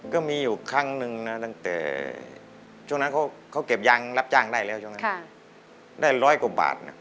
ก็มีอยู่ครั้งหนึ่งนะตั้งแต่ช่วงนั้นเขาเก็บยางรับจ้างได้แล้วช่วงนั้นได้ร้อยกว่าบาทนะ